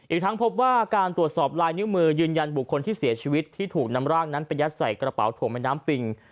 อีกทั้งพบว่าการตรวจสอบลายนิ้วมือยืนยันบุคคลที่เสียชีวิตที่ถูกนำร่างนั้นไปยัดใส่กระเป๋าถ่วงแม่น้ำปิง